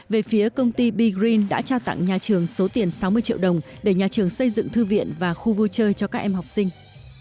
về phía công ty big green đã trao tặng nhà trường số tiền sáu mươi triệu đồng để nhà trường xây dựng thư viện và khu vui chơi cho các em học sinh